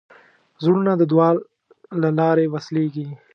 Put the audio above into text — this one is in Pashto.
زړونه د دعا له لارې وصلېږي.